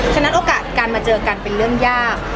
ฉะนั้นโอกาสการมาเจอกันเป็นเรื่องยาก